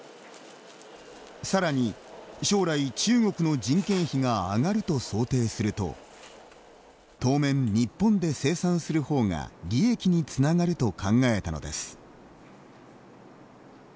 さらに、将来、中国の人件費が上がると想定すると当面、日本で生産するほうが利益につながると考えたのです。